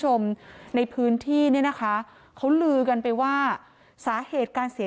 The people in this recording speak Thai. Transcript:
ชมในพื้นที่เนี่ยนะคะเขาลือกันไปว่าสาเหตุการเสีย